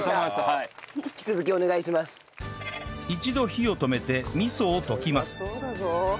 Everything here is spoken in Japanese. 一度火を止めて味噌を溶きます